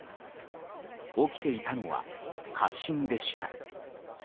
起きていたのは、過信でした。